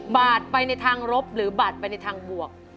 บาทไปในทางรบหรือบาดไปในทางบวก